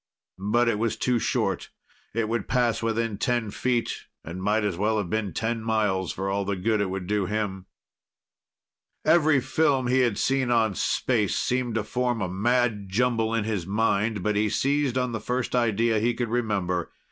But it was too short. It would pass within ten feet and might as well have been ten miles for all the good it would do him. Every film he had seen on space seemed to form a mad jumble in his mind, but he seized on the first idea he could remember.